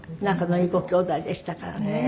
仲のいいご兄弟でしたからね。